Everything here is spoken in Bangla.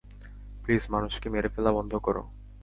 প্লিজ মানুষকে মেরে ফেলা বন্ধ করো।